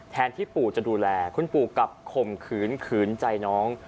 ที่ปู่จะดูแลคุณปู่กลับข่มขืนขืนใจน้อง